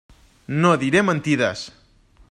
No diré mentides.